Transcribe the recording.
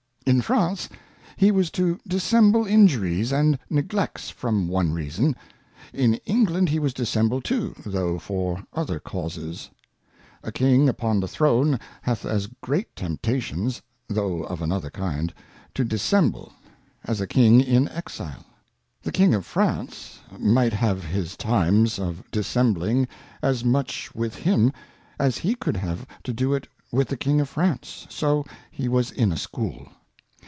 In France, he was to dissemble Injuries and Neglects, from one reason ; in England he was to dissemble too, though for other Causes ; A King upon the Throne hath as great Tempta tions (though of another kind) to dissemble, as a King in Exile. The King of France might have his Times of Dissembling as much with him, as he could have to do it with the King of France : So he was in a School.